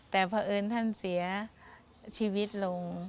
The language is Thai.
แต่พอเอิญท่านเสียชีวิตลง